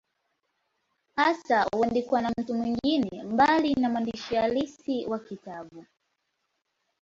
Hasa huandikwa na mtu mwingine, mbali na mwandishi halisi wa kitabu.